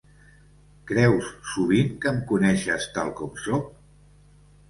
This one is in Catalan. Creus sovint que em coneixes tal com soc?